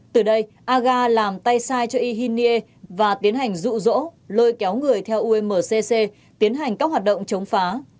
từ đây aga làm tay sai cho y hinh niê và tiến hành rụ rỗ lôi kéo người theo umcc tiến hành các hoạt động chống phá